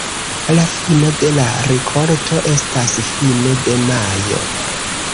La fino de la rikolto estas fine de majo.